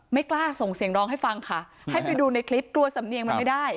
ไม่กล้าส่งเสียงร้องให้ฟังค่ะให้ไปดูในคลิปกลัวสำเนียงมันไม่ได้